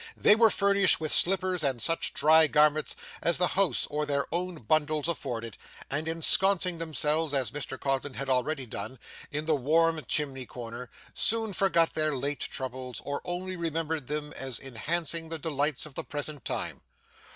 They were furnished with slippers and such dry garments as the house or their own bundles afforded, and ensconcing themselves, as Mr Codlin had already done, in the warm chimney corner, soon forgot their late troubles or only remembered them as enhancing the delights of the present time.